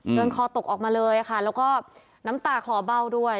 คอนคอตกออกมาเลยค่ะแล้วก็น้ำตาคลอเบ้าด้วย